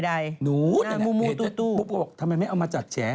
เรียบงึ้งมือปูปกว่าทำไมไม่เอามาจัดแฉะ